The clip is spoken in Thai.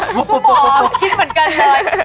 คุณหมอคิดเหมือนกันเลย